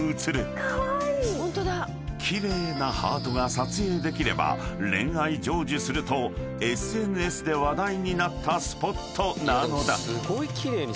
［奇麗なハートが撮影できれば恋愛成就するとＳＮＳで話題になったスポットなのだ］